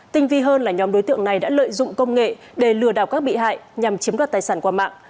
tinh vi hơn là nhóm đối tượng này đã lợi dụng công nghệ để lừa đảo các bị hại nhằm chiếm đoạt tài sản qua mạng